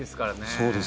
そうです